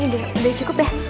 ini udah cukup ya